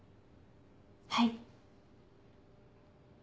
はい。